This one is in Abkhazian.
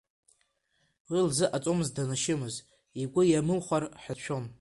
Уи лзыҟаҵомызт данашьымыз, игәы иамыхәар ҳәа дшәон.